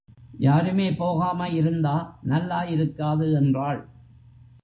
யாருமே போகாம இருந்தா நல்லா இருக்காது, என்றாள்.